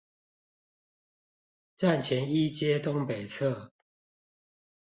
站前一街東北側